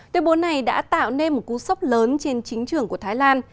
tuyên bố này đã tạo nên một cú sốc lớn trên chính trường của thái lan